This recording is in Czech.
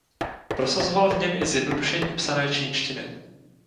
Prosazoval v něm i zjednodušení psané čínštiny.